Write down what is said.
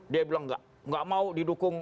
dia bilang nggak mau didukung